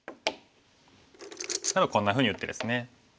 こんなふうに打ってですね。